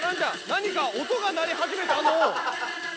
何か音が鳴り始めたのう。